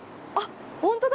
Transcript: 本当だ。